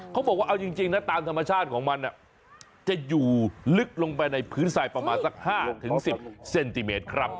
เขาบอกว่าเอาจริงนะตามธรรมชาติของมันจะอยู่ลึกลงไปในพื้นทรายประมาณสัก๕๑๐เซนติเมตรครับ